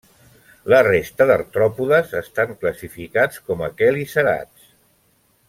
La resta d'artròpodes estan classificats com a quelicerats.